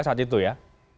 saat itu ya